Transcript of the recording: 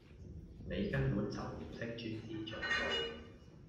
你根本就唔識專師重道